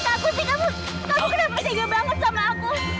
kamu kenapa seger banget sama aku